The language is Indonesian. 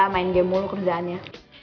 main game mulu kerjaannya